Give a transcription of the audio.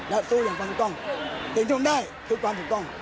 และสู้อย่างความถูกต้องยังต้องได้คือความถูกต้อง